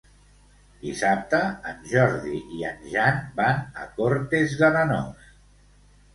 Dissabte en Jordi i en Jan van a Cortes d'Arenós.